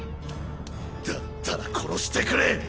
だったら殺してくれ！